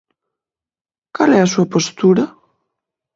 Cal é a súa postura?